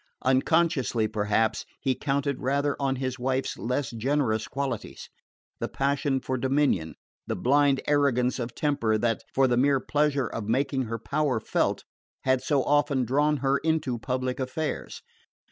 Unconsciously perhaps he counted rather on his wife's less generous qualities: the passion for dominion, the blind arrogance of temper that, for the mere pleasure of making her power felt, had so often drawn her into public affairs.